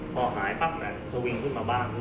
พอหายปั๊บแต่สวิงขึ้นมาบ้าง